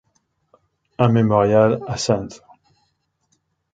Un mémorial à St.